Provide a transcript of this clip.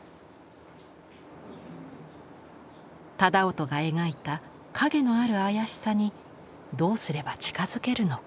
楠音が描いた影のある妖しさにどうすれば近づけるのか。